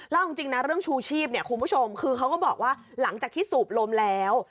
แล้วเอาจริงนะเรื่องชูชีพเนี่ยคุณผู้ชมคือเขาก็บอกว่าหลังจากที่สูบลมแล้ว